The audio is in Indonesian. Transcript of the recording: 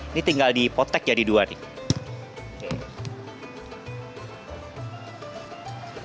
ini tinggal dipottek jadi dua nih